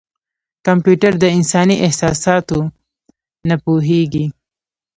کمپیوټر د انساني احساساتو نه پوهېږي.